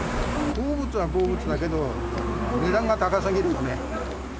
好物は好物だけど、値段が高すぎるよね。